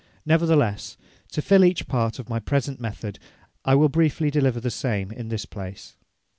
Nevertheless, to fill each part of my present method, I will briefly deliver the same in this place.